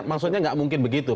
maksudnya tidak mungkin begitu